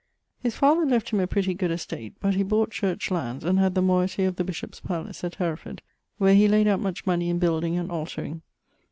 His father left him a pretty good estate, but he bought church lands and had the moeity of the bishop's palace, at Hereford, where he layd out much money in building and altering.